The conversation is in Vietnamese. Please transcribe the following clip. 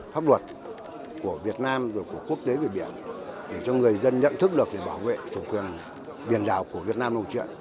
pháp luật của việt nam rồi của quốc tế về biển để cho người dân nhận thức được để bảo vệ chủ quyền biển đảo của việt nam đúng chuyện